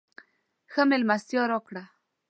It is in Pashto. ښه مېلمستیا راکړه.